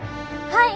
はい！